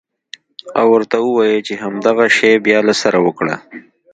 او ورته ووايې چې همدغه شى بيا له سره وکره.